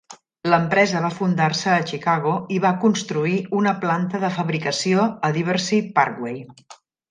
L'empresa va fundar-se a Chicago i va construir una planta de fabricació a Diversey Parkway.